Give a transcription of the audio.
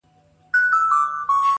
يو څه خو وايه کنه يار خبري ډيري ښې دي.